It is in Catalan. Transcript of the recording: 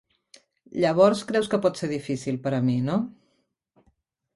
Llavors, creus que pot ser difícil per a mi, no?